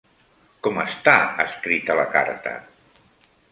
Com està escrita la carta?